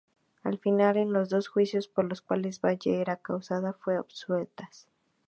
Al final, en los dos juicios por los cuales Belle era acusada, fue absuelta.